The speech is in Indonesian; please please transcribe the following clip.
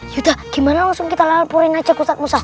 yaudah gimana langsung kita lalapurin aja kusat musah